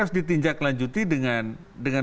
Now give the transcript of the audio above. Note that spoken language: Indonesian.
harus ditinjak lanjuti dengan